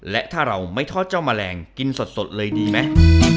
และถ้าเราไม่ทอดเจ้าแมลงกินสดเลยดีไหม